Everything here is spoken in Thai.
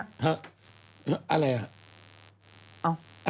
อ้าา